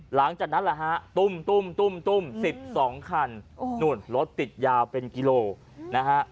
หลังจากนั้นแหละฮะตุ้มตุ้มตุ้ม๑๒คันนู่นรถติดยาวเป็นกิโลนะฮะ